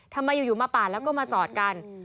ทำไมอยู่มาปาดแล้วก็มาจอดกัน